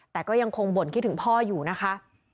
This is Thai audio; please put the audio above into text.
แต่ก็ยังคงบ่นคิดถึงพ่ออยู่นะคะ